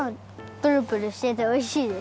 プルプルしてておいしいです。